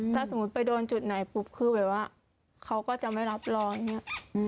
ถ้าสมมุติไปโดนจุดไหนปุ๊บคือไว้ว่าเขาก็จะไม่รับรองเนี่ย